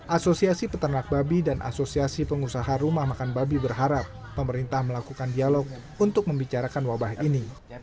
asosiasi peternak babi dan asosiasi pengusaha rumah makan babi berharap pemerintah melakukan dialog untuk membicarakan wabah ini